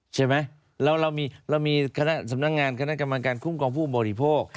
ใช่ไหมเรามีคณะสำนักงานคุ้มครองผู้มนิโภค